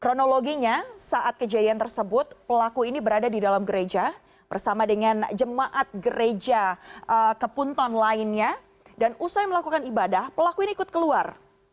kronologinya saat kejadian tersebut pelaku ini berada di dalam gereja bersama dengan jemaat gereja kepunton lainnya dan usai melakukan ibadah pelaku ini ikut keluar